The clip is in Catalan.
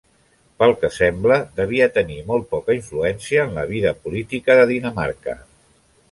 Pel que sembla devia tenir molt poca influència en la vida política de Dinamarca.